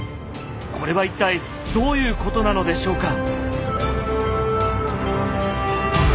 これは一体どういうことなのでしょうか。